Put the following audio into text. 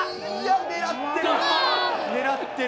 狙ってる。